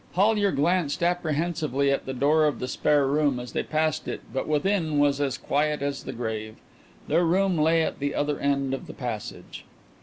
Hollyer glanced apprehensively at the door of the spare room as they passed it but within was as quiet as the grave. Their room lay at the other end of the passage.